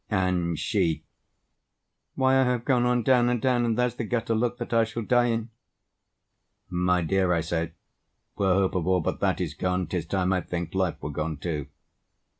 And she—"Why, I have gone on down and down, And there's the gutter, look, that I shall die in!" "My dear," I say, "where hope of all but that Is gone, 'tis time, I think, life were gone too."